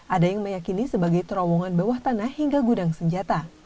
ada yang meyakini sebagai terowongan bawah tanah hingga gudang senjata